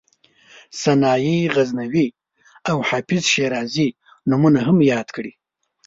سنایي غزنوي او حافظ شیرازي نومونه هم یاد کړي.